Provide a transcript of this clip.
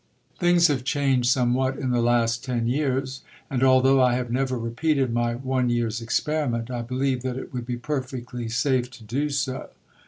Things have changed somewhat in the last ten years, and although I have never repeated my one year's experiment, I believe that it would be perfectly safe to do so.